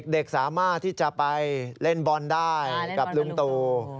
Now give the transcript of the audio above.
เด็กสามารถที่จะไปเล่นบอลได้กับลุงตู่